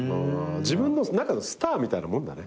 自分の中のスターみたいなもんだね。